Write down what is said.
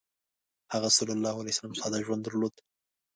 هغه ﷺ ساده ژوند درلود.